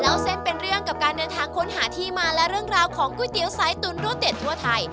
เล่าเส้นเป็นเรื่องกับการเดินทางค้นหาที่มาและเรื่องราวของก๋วยเตี๋ยวสายตุ๋นรวดเด็ดทั่วไทย